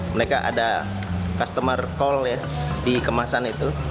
mereka ada customer call ya di kemasan itu